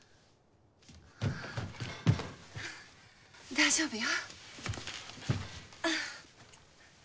大丈夫よ。